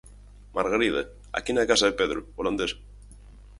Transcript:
Margarida, aquí na casa de Pedro, o holandés.